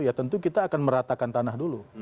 ya tentu kita akan meratakan tanah dulu